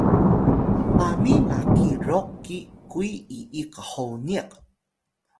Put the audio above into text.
mami maki roq ki kuy iyik qhoniq